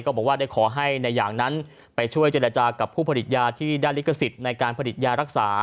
บอกว่าได้ขอให้นายอย่างนั้นไปช่วยเจรจากับผู้ผลิตยาที่ได้ลิขสิทธิ์ในการผลิตยารักษา